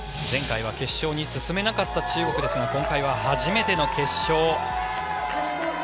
前回は決勝に進めなかった中国ですが今回は初めての決勝。